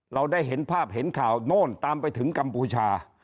เราได้เห็นภาพเห็นข่าวโน่นตามไปถึงกัมพูชา